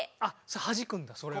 はじくんだそれを。